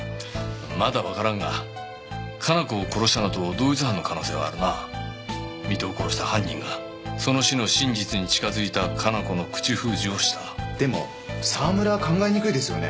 まだ分からんが加奈子を殺したのと同一犯の可能性はあるな水戸を殺した犯人がその死の真実に近づいた加奈子の口封じをしたでも沢村は考えにくいですよね